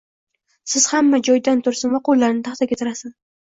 Siz hamma joyidan tursin va qoʻllarini taxtaga tirasin